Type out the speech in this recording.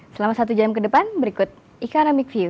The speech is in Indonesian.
selama satu jam ke depan berikut economic view